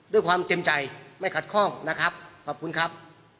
ด้วยความเต็มใจไม่ขัดข้องนะครับขอบคุณครับ